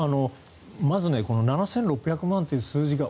まず７６００万という数字が